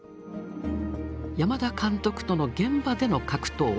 山田監督との現場での格闘。